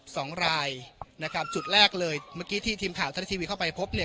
สองรายนะครับจุดแรกเลยเมื่อกี้ที่ทีมข่าวทะละทีวีเข้าไปพบเนี่ย